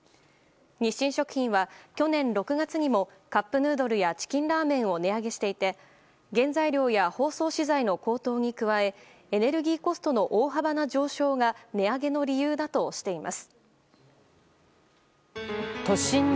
日清食品は去年６月にもカップヌードルやチキンラーメンを値上げしていて原材料や包装資材の高騰に加えエネルギーコストの大幅な上昇が値上げの理由だとしています。